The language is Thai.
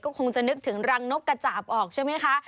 คงจะนึกถึงรังนกกระจาบออกใช่ไหมคะ